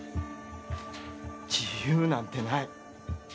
自由なんてない